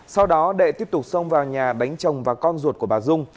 sau đó đệ tiếp tục xông vào nhà đánh chồng và con ruột của bà dung